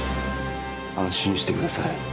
安心してください。